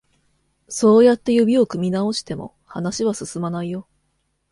そうやって指を組み直しても、話は進まないよ。